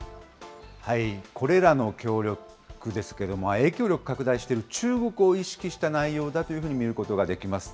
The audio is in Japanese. これらの協力ですけれども、影響力拡大している中国を意識した内容だというふうに見ることができます。